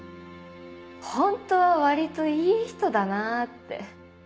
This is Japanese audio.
本当は割といい人だなぁって。